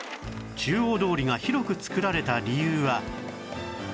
中央通りが広くつくられた理由は